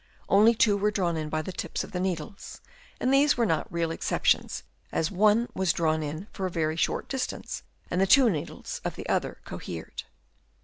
Only two were drawn in by the tips of the needles, and these were not real exceptions, as one was drawn in for a very short distance, and the two needles of the other cohered.